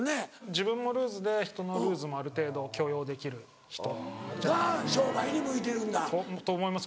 自分もルーズで人のルーズもある程度許容できる人。が商売に向いてるんだ。と思います